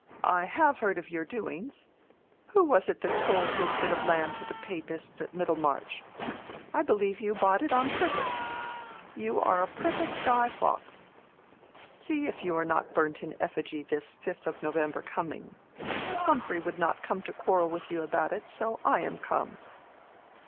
I have heard of your doings. Who was it that sold his bit of land to the Papists at Middlemarch? I believe you bought it on purpose. You are a perfect Guy Faux. See if you are not burnt in effigy this 5th of November coming. Humphrey would not come to quarrel with you about it, so I am come."